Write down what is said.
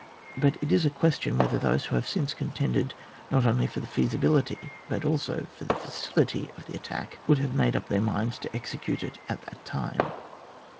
But it is a question, whether those who have since contended not only for the feasibility but also for the facility of the attack, would have made up their minds to execute it at the time.